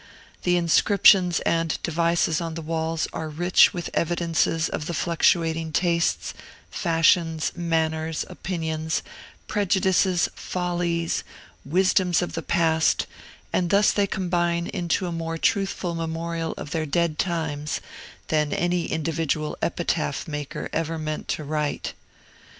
The inscriptions and devices on the walls are rich with evidences of the fluctuating tastes, fashions, manners, opinions, prejudices, follies, wisdoms of the past, and thus they combine into a more truthful memorial of their dead times than any individual epitaph maker ever meant to write.